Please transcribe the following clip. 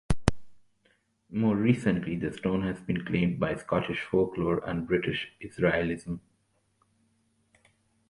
More recently, the stone has been claimed by Scottish folklore and British Israelism.